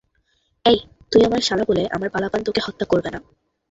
এই, তুই আমার শালা বলে আমার পালাপান তোকে হত্যা করবে না।